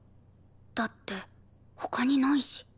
だって他にないし。